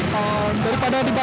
dua tahun berapa banyak kan